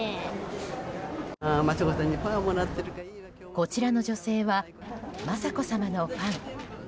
こちらの女性は雅子さまのファン。